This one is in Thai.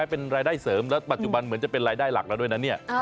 เป็นรายได้เสริมแล้วปัจจุบันเหมือนจะเป็นรายได้หลักแล้วด้วยนะเนี่ย